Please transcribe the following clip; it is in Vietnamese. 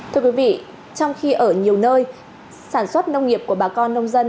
thưa quý vị trong khi ở nhiều nơi sản xuất nông nghiệp của bà con nông dân